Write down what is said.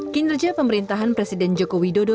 kinerja pemerintahan presiden jokowi dodo